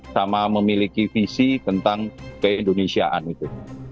sama memiliki visi tentang keindonesiaan itu